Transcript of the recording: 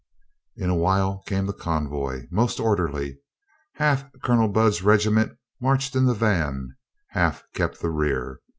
In a while came the convoy, most orderly. Half Colonel Budd's regiment marched in the van, half kept the rear.